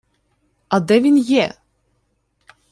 — А де він є?